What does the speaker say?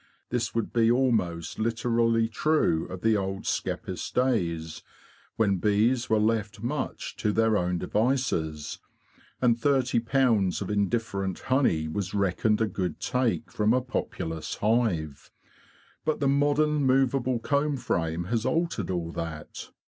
This would be almost literally true of the old skeppist days, when bees were left much to their own devices, and thirty pounds of indifferent honey was reckoned a good take from a populous hive. But the modern movable comb frame has altered all that.